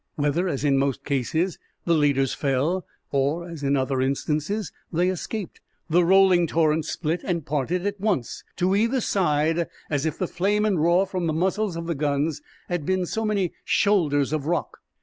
Whether, as in most cases, the leaders fell, or, as in other instances, they escaped, the rolling torrent split and parted at once to either side as if the flame and roar from the muzzles of the guns had been so many shoulders of rock.